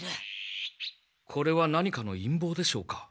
これは何かの陰謀でしょうか？